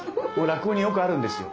落語によくあるんですよ。